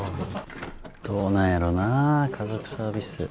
どうなんやろなぁ家族サービス。